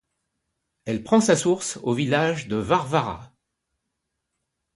Elle prend sa source au village de Varvara.